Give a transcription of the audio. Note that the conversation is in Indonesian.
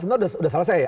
sebenarnya sudah selesai